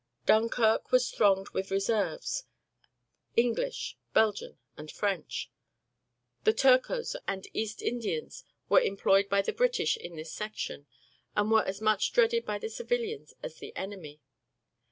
Dunkirk was thronged with reserves English, Belgian and French. The Turcos and East Indians were employed by the British in this section and were as much dreaded by the civilians as the enemy.